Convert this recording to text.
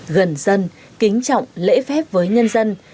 gần dân kính trọng lễ phép với nhân dân